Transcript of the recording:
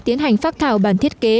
tiến hành phác thảo bản thiết kế